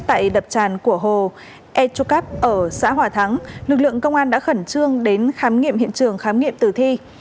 tại đập tràn của hồ airu cup ở xã hòa thắng lực lượng công an đã khẩn trương đến khám nghiệm hiện trường khám nghiệm tử thi